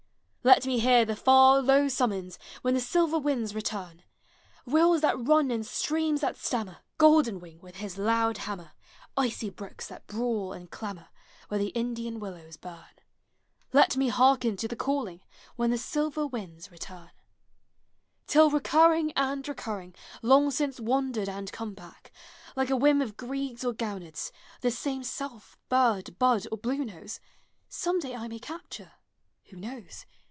Let me hear the far, low summons, When the silver winds return ; Kills that run and streams that stammer, Goldenwing with his loud hammer, Icy brooks that brawl and clamor Where the Indian willows burn; Let me hearken to the calling, When the silver winds return, Till recurring and recurring, Long since wandered and come back, Like a whim of Grieg's or Gounod's, This same self, bird, bud, or Bluenose, Some day I may capture (Who knows?)